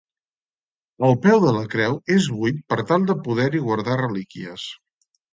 El peu de la creu és buit per tal de poder-hi guardar relíquies.